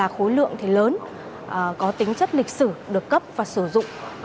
khối lượng thì lớn có tính chất lịch sử được cấp và sử dụng